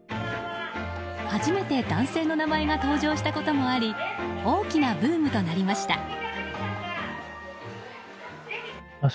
初めて男性の名前が登場したこともあり大きなブームとなりました。